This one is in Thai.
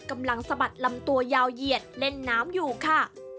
กำลังสะบัดลำตัวยาวเหยียดเล่นน้ำอยู่ค่ะ